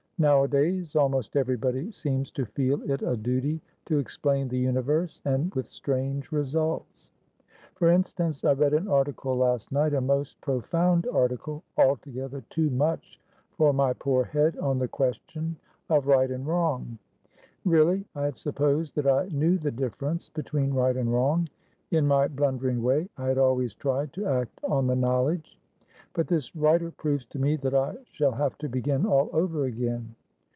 Nowadays almost everybody seems to feel it a duty to explain the universe, and with strange results. For instance, I read an article last night, a most profound article, altogether too much for my poor head, on the question of right and wrong. Really, I had supposed that I knew the difference between right and wrong; in my blundering way, I had always tried to act on the knowledge. But this writer proves to me that I shall have to begin all over again.